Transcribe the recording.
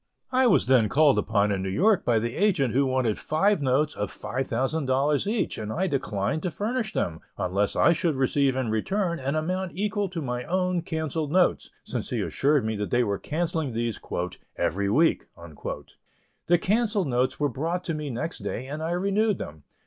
I was then called upon in New York by the agent who wanted five notes of $5,000 each and I declined to furnish them, unless I should receive in return an equal amount in my own cancelled notes, since he assured me they were cancelling these "every week." The cancelled notes were brought to me next day and I renewed them.